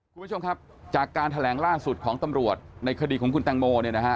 คุณผู้ชมครับจากการแถลงล่าสุดของตำรวจในคดีของคุณตังโม